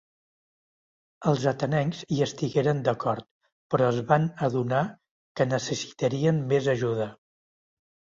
Els atenencs hi estigueren d'acord, però es van adonar que necessitarien més ajuda.